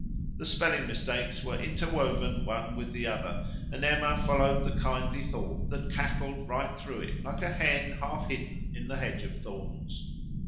The spelling mistakes were interwoven one with the other, and Emma followed the kindly thought that cackled right through it like a hen half hidden in the hedge of thorns.